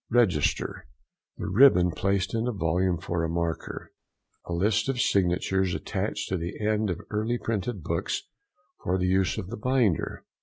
REGISTER.—The ribbon placed in a volume for a marker. A list of signatures attached to the end of early printed books for the use of the binder.